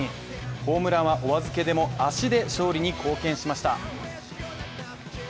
ホームランはお預けでも足で勝利に貢献しました。